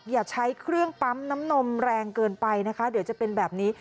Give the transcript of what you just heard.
อย่าใช้เครื่องปั๊มน้ำนมแรงเกินไปนะคะเดี๋ยวจะเป็นแบบนี้